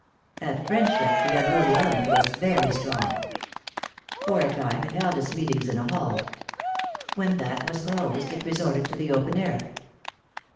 At Friendship the unruly element was very strong. For a time it held its meetings in a hall. When that was closed it resorted to the open air.